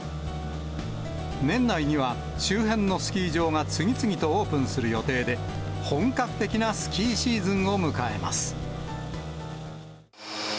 年内には周辺のスキー場が次々とオープンする予定で、本格的なスキーシーズンを迎えます。